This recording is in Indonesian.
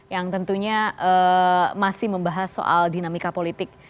yang tentunya masih membahas soal dinamika politik